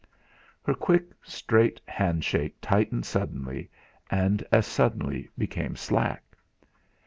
Her quick, straight handshake tightened suddenly, and as suddenly became slack.